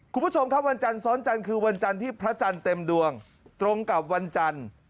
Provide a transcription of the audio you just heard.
คุณผู้ชมครับวันจันทร์ซ้อนจันทร์คือวันจันทร์ที่พระจันทร์เต็มดวงตรงกับวันจันทร์